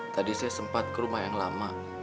tadi saya sempat ke rumah yang lama